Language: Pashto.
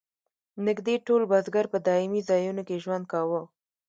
نږدې ټول بزګر په دایمي ځایونو کې ژوند کاوه.